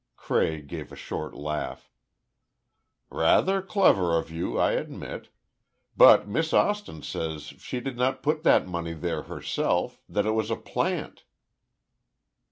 Cray gave a short laugh. "Rather clever of you, I admit. But Miss Austin says she did not put that money there, herself—that it was a plant."